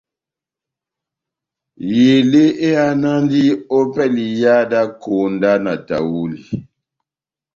Elé ehánandi ópɛlɛ ya iha dá konda na tahuli.